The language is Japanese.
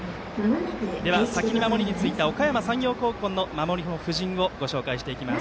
では、先に守りについたおかやま山陽高校の守りの布陣をご紹介していきます。